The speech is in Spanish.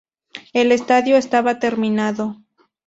El estadio estaba terminado.